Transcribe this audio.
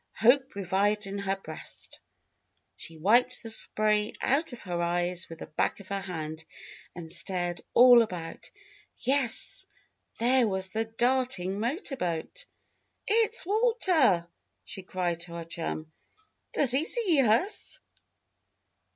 Hope revived in her breast. She wiped the spray out of her eyes with the back of her hand and stared all about. Yes! there was the darting motor boat. "It's Walter!" she cried to her chum. "Does he see us?"